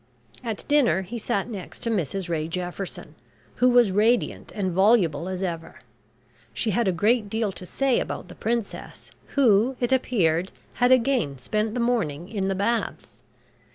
At dinner he sat next to Mrs Ray Jefferson, who was radiant and voluble as ever. She had a great deal to say about the Princess, who, it appeared, had again spent the morning in the Baths.